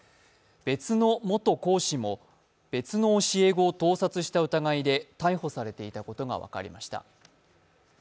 別の元講師も別の教え子を盗撮した疑いで逮捕されていたことが分かりました。